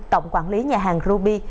tổng quản lý nhà hàng ruby